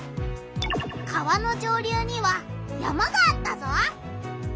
川の上流には山があったぞ！